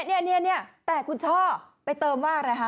เนี่ยแต่คุณช่อไปเติมว่าอะไรคะ